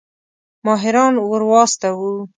ماهران ورواستوو.